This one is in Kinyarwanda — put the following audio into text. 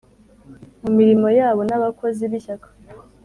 mu mirimo yabo n abakozi b Ishyaka